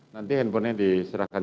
nanti handphonenya diserahkan